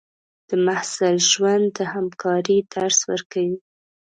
د محصل ژوند د همکارۍ درس ورکوي.